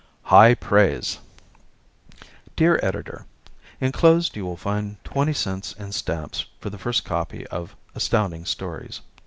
High Praise Dear Editor: Enclosed you will find twenty cents in stamps for the first copy of Astounding Stories.